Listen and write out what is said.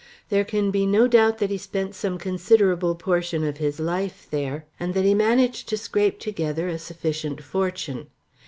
There can be no doubt that he spent some considerable portion of his life there, and that he managed to scrape together a sufficient fortune.